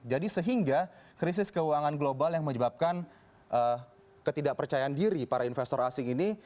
jadi sehingga krisis keuangan global yang menyebabkan ketidakpercayaan diri para investor asing ini